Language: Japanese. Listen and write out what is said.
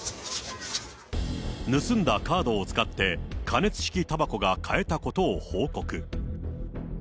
盗んだカードを使って、加熱式たばこが買えたことを報告。